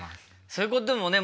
そういうこともね